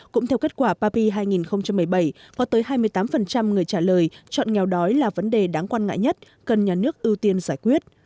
cũng theo kết quả papi hai nghìn một mươi bảy có tới hai mươi tám người trả lời chọn nghèo đói là vấn đề đáng quan ngại nhất cần nhà nước ưu tiên giải quyết